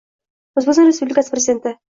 O`zbekiston Respublikasi Prezidenti I